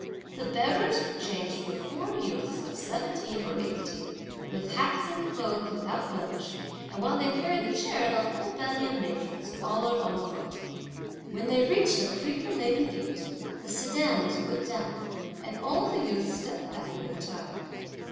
(The bearers) were changed for four youths of seventeen or eighteen, with hats and clothes without a blemish, and while they carried the chair, the whole bevy of matrons followed on foot. When they reached a creeper laden gate, the sedan was put down, and all the youths stepped back and retired.